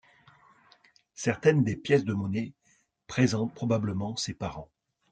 Certaines des pièces de monnaie d’ présentent probablement ses parents.